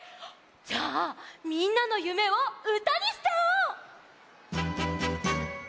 じゃあみんなのゆめをうたにしちゃおう！